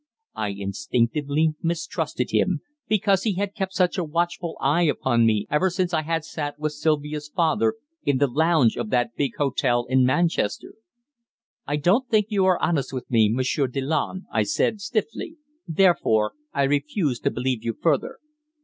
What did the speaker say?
I instinctively mistrusted him, because he had kept such a watchful eye upon me ever since I had sat with Sylvia's father in the lounge of that big hotel in Manchester. "I don't think you are honest with me, Monsieur Delanne," I said stiffly. "Therefore I refuse to believe you further."